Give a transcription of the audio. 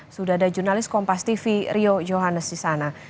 sudah ada jurnalis kompas tv rio johannes di sana